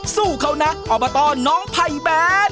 สู้เขานะออกมาต่อน้องไภแบรนด์